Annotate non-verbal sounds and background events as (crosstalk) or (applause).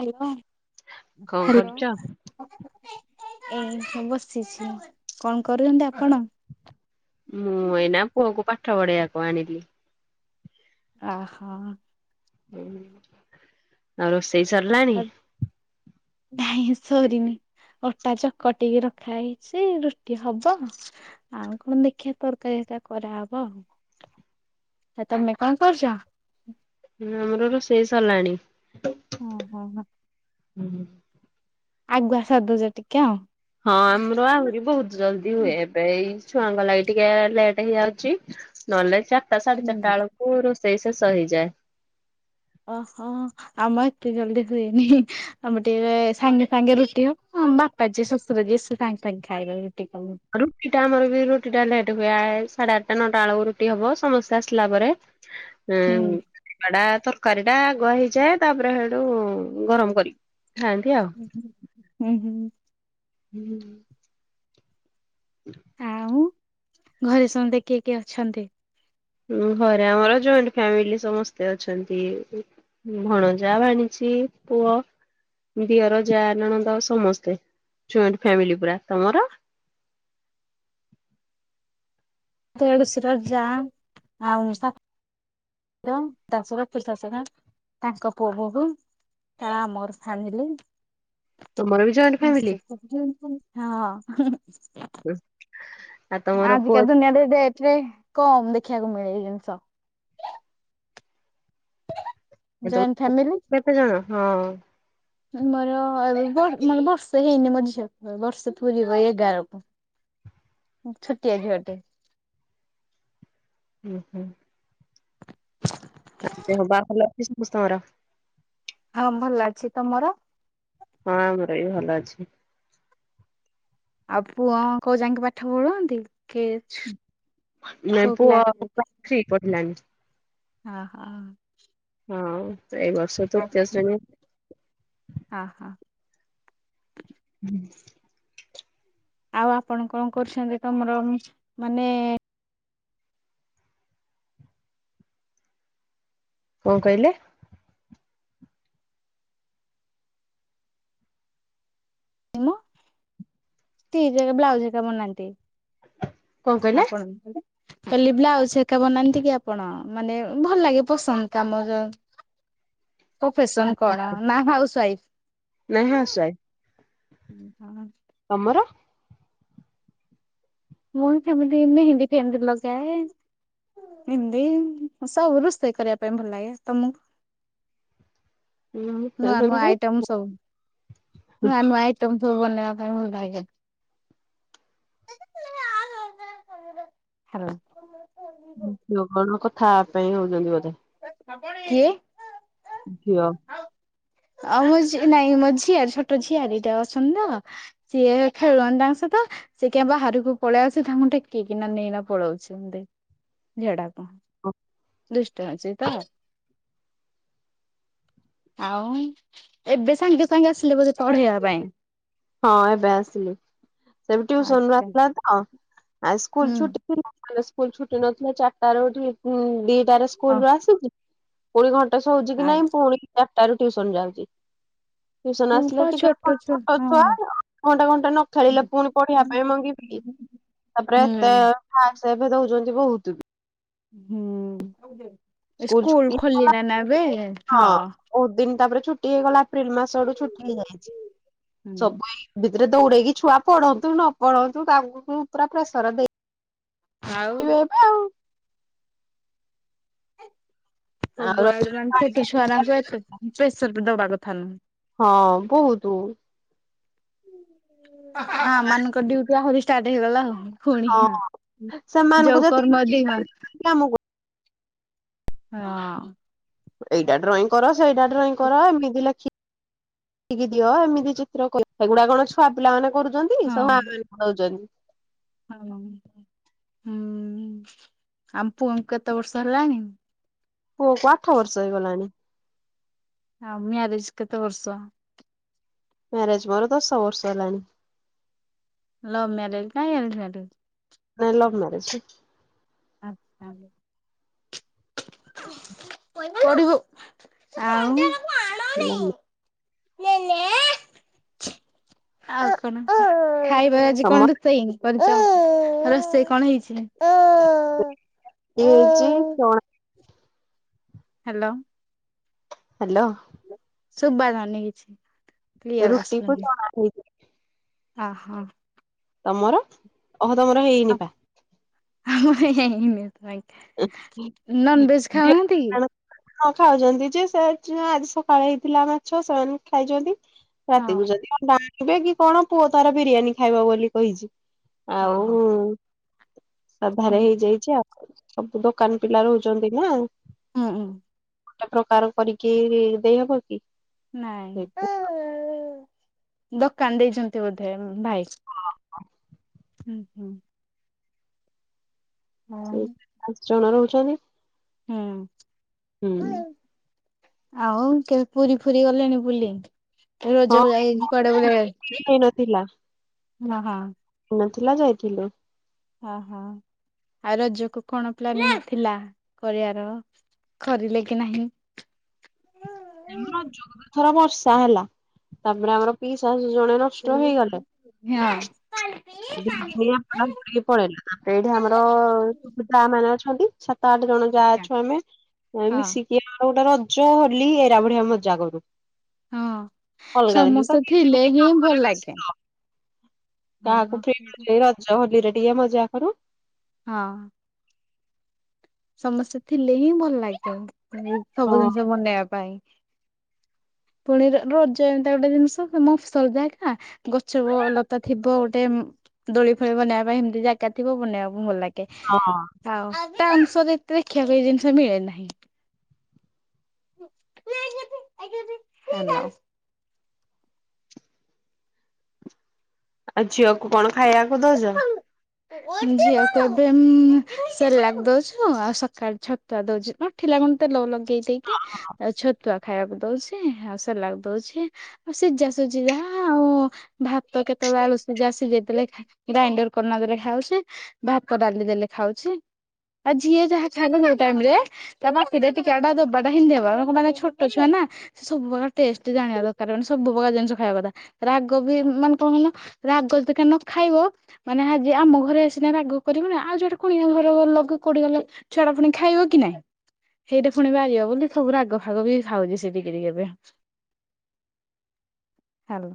Hello. କଣ କରୁଛ? ଏଇ ବସିଛି କଣ କରୁଛନ୍ତି ଆପଣ? ମୁଁ ଏଇନା ପୁଅକୁ ପାଠ ପଢେଇବାକୁ ଆଣିଲି। ଆ ହୋ। ଆଉ ରୋଷେଇ ସରିଲାଣି। ନାଇ ସରିନି। ଅଟା ଚକଟିକି ରଖା ହେଇଛି ରୁଟି ହବ ଆଉ କଣ ଦେଖିବା ତରକାରୀ ସେଟା କରାହେବ ଆଉ। (inaudible) ଆ ତମେ କଣ କରୁଛ? ଆମର ରୋଷେଇ ସାରିଲାଣି। ଓ ହୋ ହୋ। ହୁଁ। ଆଗୁଆ ସାରି ଦେଉଛ ଟିକେ ଆଉ। ହଁ ଆମର ଆହୁରି ବହୁତ ଜଲଦି ହୁଏ ଏବେ ଇ ଛୁଆଙ୍କ ଲାଗି ଟିକେ ଲେଟ୍ ହେଇଯାଉଛି ନହେଲେ ଚାରିଟା ସାଢେ ଚାରିଟା ବେଳକୁ ରୋଷେଇ ଶେଷ ହେଇଯାଏ। ଓହୋ ଆମ ଏତେ ଜଲଦି ହୁଏନି ଆମର ଟିକେ ସାଙ୍ଗେ ସାଙ୍ଗେ ରୁଟି ଆ ହଁ ବାପା ଯିଏ ଶ୍ୱଶୁରା ଯିଏ ସେ ସାଙ୍ଗେ ସାଙ୍ଗେ ଖାଇଦବେ। ରୁଟି ଟା ଆମର ବି ରୁଟି ଟା ହ ସାଢେ ଆଠଟା ନଅଟା ବେଳକୁ ରୁଟି ହବ ସମସ୍ତେ ଆସିଲା ପରେ। ଉଁ ହୁଁ। ବଡ଼ା ତରକାରୀ ଏଟା ଗ ହେଇଯାଏ ତାପରେ ସେଠୁ ଗରମ କରିବୁ। ହ ହୁଁ ହ। ହୁଁ। (inaudible) ଘରେ ସମସ୍ତେ କିଏ କିଏ ଅଛନ୍ତି? ଘରେ ଆମର ଜଏଣ୍ଟ ଫ୍ୟାମିଲି ସମସ୍ତେ ଅଛନ୍ତି। ଭଣଜା ଭାଣିଜୀ ପୁଅ ଦିଅର ଜାଆ ନଳଦ ସମସ୍ତେ ଜଏଣ୍ଟ ଫାମିଲି ପୁରା। ତମର? (unintelligible) ଦେଢଶୁର ଜା ଆଉ ସା ଦାଶ ବା ପ ଦାଶ ତାଙ୍କ ପୁଅ ବୋହୁ ତା ମୋର ଫ୍ୟାମିଲି। ତମର ବି ଜଏଣ୍ଟ ଫ୍ୟାମିଲି? (unintelligible) ହଁ। ଆଉ ତମର ପୁଅ ଆଜିକା ଦୁନିଆରେ ଏ ଏଥିରେ କମ ଦେଖିବାକୁ ମିଳେ ଜିନିଷ। ଏ ଜଏଣ୍ଟ ତମ କେତେ ଜଣ ହଁ। ଆମର ମ ବର୍ଷେ ହେଇନି ମୋ ଝିଅ କୁ ବର୍ଷେ ପୁରିବ ଏଗାରକୁ। ହଁ ଛୋଟିଆ ଝିଅଟେ। ଓହୋ। ହ ବାହାର ଲି ସମସ୍ତର। ହଁ ଭଲ ଅଛି ତମର? ହଁ ଆମର ବି ଭଲ ଅଛି। ଆଉ ପୁଅ କୋଉ ଯାଇକି ପାଠ ପଢନ୍ତି? କେଜ ନାଇଁ କଉ ପୁଅ କ୍ଲାସ? ଥ୍ରୀ ପଢିଲାଣି ହଁ ହଁ। ହଁ ଏ ବର୍ଷ ତୃତୀୟ ଶ୍ରେଣୀ ହଁ ହଁ ହୁଁ ଆଉ ଆପଣ କଣ କରୁଛନ୍ତି ତମର ମାନେ କଣ କହିଲେ? (unintelligible) ବ୍ଲାଉଜ ଏକ ବନାନ୍ତି। କଣ କହିଲେ ଆପଣ କହିଲି ବ୍ଲାଉଜ ହେରିକା ବନାନ୍ତି କି ଆପଣ ମାନେ ଭଲ ଲାଗେ ପସନ୍ଦ କାମ ପ୍ରଫସନ କଣ ନା ହାଉସ ୱାଇଫ। ନାଇଁ ହାଉସ୍ ୱାଇଫ୍ ହ ହ ତମର? ମୂଳ ଫେମିଲି ମେହେନ୍ଦୀ ଫେଏ ନ୍ତି ଲଗାଏ। ଏନ୍ଦି ସବୁ ରୋଷେଇ କରିବା ପାଇଁ ଭଲ ଲାଗେ ତମକୁ? ହୁଁ ନୂଆ ନୂଆ ସେମିତି ଆଇଟମ୍ ସବୁ ନୂଆ ନୂଆ ଆଇଟମ୍। ବନେଇବା ପାଇଁ ଭଲ ଲାଗେ। ହଲୋ। ଠାପ ପାଇଁ ହଉନ୍ତି ଓଧେ କିଏ? ଯିଅ। ଆଉ ମୁଁ ଝି ନାଇଁ ମୋ ଝିଅର ଛୋଟ ଝିଅରଟା ଅଛନ୍ତି ତ ସିଏ ଖେଳନ୍ ସେ କାଁଇ ବାହାରକୁ ପଳେଇ ଆସ ତାଙ୍କୁ ଟେକିକିନା ନେଇକିନା ପଳଉଛି ଝିଅଟାକୁ ହଁ। ଦୁଷ୍ଟ ଅଛି ତ ଆଉ ଏବେ ସାଙ୍ଗେ ସାଙ୍ଗେ ଆସିଲେ ବ ପଢେଇବା ପାଇଁ? ହଁ ଏବେ ଆସିଲି। ସେ ଟୁସନ ରୁ ଆଚ୍ଛା ଆସିଲା ତ ଆ ସ୍କୁଲ ହୁଁ ଛୁଟି ସ୍କୁଲ ଛୁଟି ନଥିଲା ଚାରିଟା ର ଦିଟାରେ ହଁ ସ୍କୁଲ ଆସଛି ଫୁଣି ଘଣ୍ଟେ ହଉଛି କି ନାଇଁ ଆଚ୍ଛା ପୁଣି ଚାରଟାରୁ ଟିଉସନ ଯାଉଛି ଟିଉସନ ହଁ ପା ଆସିଲେ ଟିକେ ଛୋଟ ଛୁଆ (unintelligible) ହ ହଁ। ଘଣ୍ଟା ଘଣ୍ଟା ନ ଖେଳିଲା ହୁଁ ପୁଣି ପଢିବା ପାଇଁ ମଙ୍ଗିବେ କି? ତାପରେ ଏତେ ଖା ହୁଁ ସ୍କୁଲ ଛୁଟି ହେଇଗଲା ଖୋଲିଲ ନା ଏବେ ହଁ। ବହୁତ ଦିନ ତାପରେ ଛୁଟି ହେଇଗଲା ଏପ୍ରିଲ ମାସ ଆଡୁ ଛୁଟି ହେଇଯାଇଛି ହୁଁ। ସବୁ ରେ ଦୌଡେଇକି ଛୁଆ ପଢନ୍ତୁ ନ ପଢନ୍ତୁ ତାଙ୍କୁକୁ ପୁରା ପ୍ରେସର ଦେଇ ଆଉ ଇଏ ତ ଆଉ ଆଉ (unintelligible) ହଁ ବୋହୁତ। ହଁ ଆମମାନଙ୍କ ଡ୍ୟୁଟି ଆହୁରି ଷ୍ଟାର୍ଟ ହେଇଗଲା ଆଉ। ପୁଣି ହଁ ହିଁ ସେମାନଙ୍କୁ ଯୋଉ ଯେତିକି କର୍ମ ଲେଖିକି (unintelligible) ଆମକୁ ହଁ। ଏଇଟା ଡ୍ରଇଂ କର ସେଇଟା ଡ୍ରଇଂ କର ଏମିତି ଲେଖି ଦେଖିକି ଦିଅ ଏମିତି ଚିତ୍ର କହି ଏଗୁଡା କଣ ଛୁଆ ପିଲା ମାନେ କରୁଛନ୍ତି ହଁ ସବୁ ମା ମାନଙ୍କୁ ଦଉଛନ୍ତି। ହୁଁ। ହୁଁ ଆମ ପୁଅଙ୍କୁ କେତେ ବର୍ଷ ହେଲାଣିି? ପୁଅ କୁ ଆଠ ବର୍ଷ ହେଇଗଲାଣି। ହଁ ମ୍ୟରେଜ୍ କେତେ ବର୍ଷ? ମ୍ୟାରେଜ୍ ମୋର ଦଶ ବର୍ଷ ହେଲାଣି। ଲଭ ମ୍ୟାରେଜ ନା ଆରେଞ୍ଜ ମ୍ୟାରେଜ? ନା ଲଭ୍ ମ୍ୟାରେଜ୍। (unintelligible) (unintelligible) ଆଉ। (unintelligible) ନେ ନେ ଆଉ କଣ ଖାଇବୁ? ତମର ଆଜି ତମ କଣ ରୋଷେଇ କରିଚ ରୋଷେଇ କଣ ହେଇଛି? (unintelligible) ରୁ ରୁଟି ହେଇଛି ଚଣା ହେଲୋ। ହାଲୋ ସୁବା ଯାଉନି କିଛି। କ୍ଲିୟର ରୁଟି କୁ ଆସୁନି। ଚଣା ହେଇଚି। ଅ ହଁ। ତମର ଓ ହୋ ତମର ହେଇନି ପା। ହେଁ ହ୍ନେ ନନ୍ ଭେଜ ଖାଉନାହାନ୍ତି କି? ହଁ ଖାଉଛନ୍ତି ଯେ ସେ ଆଜି ଆଜି ସକାଳେ ହେଇଥିଲା ମାଛ ସେମାନେ ଖାଇଛନ୍ତି। ରାତିକୁୁ ହଁ। ଯଦି ଅଣ୍ଡା ଆଣିବେ କି କଣ ପୁଅ ତାର ବିରିୟାନୀ ଖାଇବ ବୋଲି କହିଛି। ହଁ ହଁ ଆଉ ସାଧାରେ ହେଇଯାଇଛି ଆଉ ସବୁ ଦୋକାନ ପିଲା ରହୁଛନ୍ତି ନା। ହୁଁ ଉଁ। ଗୋଟେ ପ୍ରକାର କରିକି ଦେଇହବ କି? ନାଇଁ ଦୋକାନ ଦେଇଛନ୍ତି ବୋଧେ ଭାଇ। ହୁଁ ହୁଁ ହଁ ପାଞ୍ଚ ଜଣ ରହୁଛନ୍ତି। ହୁଁ। ହୁଁ। ଆଉ କେବେ ପୁରୀ ଫୁରି ଗଲେଣି ବୁଲିି? ହଁ ରଜରେ ଯାଇସନ୍ତି କୁଆଡେ ବୁଲିବା ହେଇନଥିଲା ପାଇଁ ହ ହଁ। ନଥିଲା ଯାଇଥିଲୁ। ହଁ ହଁ। ଆଉ ରଜକୁ କଣ ପ୍ଲାନିଙ୍ଗ ଥିଲା କରିବାର କରିଲେ କି ନାହିଁ। ଆମର ରଜ କୁ ଏଥର ବର୍ଷା ହେଲା ତାପରେ ପିଇଶା। ଦି ଜଣେ ନଷ୍ଟ ହଁ। ହେଇଗଲେ। ଦି ଦିନି (unintelligible) ପଳେଇଲା ତାପରେ ଏଠେ ଆମର (unintelligible) ମାନେ ଅଛନ୍ତି ସାତ ଆଠ ଜଣ ଯାହା ଅଛୁ ଆମେ ହଁ ମିଶିକି ଆମର ଗୋଟେ ରଜ ହୋଲି ଏରା ବଢିଆ ମଜା କରୁ। ହଁ। ଅଲଗା ଦିନେ ତ ସମସ୍ତେ ଯିଏ ଥିଲେ ଯେମିତ ହିଁ ଭଲ କାମରେ ଲାଗେ। ବ୍ୟସ୍ତ। ହଁ କାହାକୁ ହଁ। ପ୍ରି ମିଳୁଛି କି ରଜ ହୋଲିରେ ଟିକେ ମଜା କରୁ। ହଁ ସମସ୍ତେ ଥିଲେ ହିଁ ଭଲ ଲାଗିବ ହଁ ସବୁ ଜିନିଷ ବନେଇବା ପାଇଁ। (inaudible) ପୁଣି ର ରଜ ଏମିତିକା ଗୋଟେ ଜିନିଷ ଫୁଣି (unintelligible) ଜାଗା ଗଛ ଲତା ଥିବ ଗୋଟେ ଏମ୍ ଦୋଳି ଫଳି ବନେଇବା ପାଇଁ ସେମିତି ଜାଗା ଥିବ ବନେଇବାକୁ ଭଲ ଲାଗେ। ହଁ ଆଉ (unintelligible) ଅଂଶରେ ଏତେ ଦେଖିବା ପାଇଁ ଜିନିଷ ମିଳେ ନାହିଁ। ହେଲୋ। ଆଉ ଝିଅକୁ କଣ ଖାଇଆକୁ ଦଉଚ? ଝିଅତ ଏବେ ଉଁ ସେରଲାକ ଦଉଚୁ ଆଉ ସକାଳ ଛତୁଆ ଦଉଚୁ (unintelligible) ପିଲାମାନଙ୍କୁ ତେଲ ଲଗେଇ ଦେଇକି ଅ ଛତୁଆ ଖାଇଆକୁ ଦଉଚି ଆଉ ସେରଲାକ ଦଉଚି ଆଉ ସେ ସିଝାସିଝି ଯାହା ଆଉ ଭାତ କେତେବେଳେ ଆଳୁ ସିଝା ସିଜେଇ ଦେଲେ ଗ୍ରାଇଣ୍ଡର କରିନା ଦେଲେ ଖାଉଛି ଭାତ ଡାଲି ଦେଲେ ଖାଉଚି। ଆଉ ଯିଏ ଯାହା ଖାଇବ ଯୋଉ ଟାଇମ୍ ରେ ତା ପାଟିରେ ଟିକେ ଏଟା ଦବାଟା ହିଁ ଦେବା ମାନେ କଁ ପାଇଁ ନା ଛୋଟ ଛୁଆ ନା ନା ସବୁ ପ୍ରକାର ଟେଷ୍ଟ ଜାଣିବା ଦରକାର ମାନେ ସବୁ ପ୍ରକାର ଜିନିଷ ଖାଇବା କଥା ରାଗ ବି ମାନେ କଣ କହିଲ ରାଗ ଯଦି ଟିକେ ନଖାଇବ ମାନେ ହା ଯେ ଆମ ଘରେ ଆ ସିନା ରାଗ କରିବୁନି ଆଉ ଯୋଉଟେ କୁଣିଆ ଘର ଗଲ କି କୋଉଟି ଗଲ ଛୁଆଟା ଫୁଣି ଖାଇବ କି ନାଇଁ ସେଇଟା ପୁଣି ବାହାରିବ ବୋଲି ସବୁ ରାଗ ଫାଗ ବି ଖାଉଚି ସେ ଟିକେ ଟିକେ ଏବେ। ହାଲୋ।